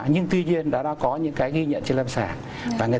nhưng tuy nhiên đã có những cái ghi nhận trên lâm sản